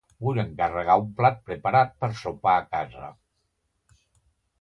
Vull encarregar un plat preparat per sopar a casa.